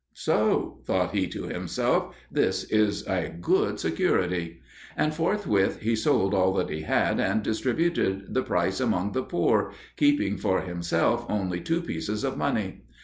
"So," thought he to himself, "this is a good security!" And forthwith he sold all that he had, and distributed the price among the poor, keeping for himself only two pieces of money.